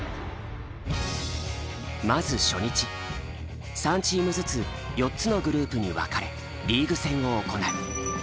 まず初日３チームずつ４つのグループに分かれリーグ戦を行う。